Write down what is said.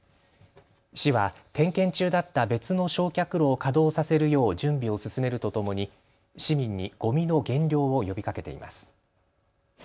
市は点検中だった別の焼却炉を稼働させるよう準備を進めるとともに市民にごみの減量を呼びかけています。